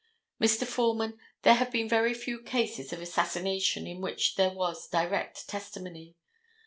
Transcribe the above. Mr. Foreman, there have been very few cases of assassination in which there was direct testimony.